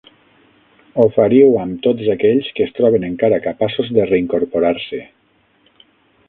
Ho faríeu amb tots aquells que es troben encara capaços de reincorporar-se.